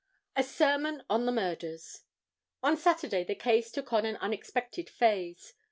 A Sermon on the Murders. On Saturday the case took on an unexpected phaze.